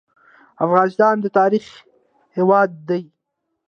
افغانستان د تاریخ هیواد دی